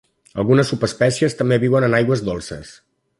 Algunes subespècies també viuen en aigües dolces.